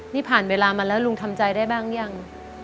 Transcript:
นี่ผ่านเวลามาแล้วลุงทำใจได้บ้างยัง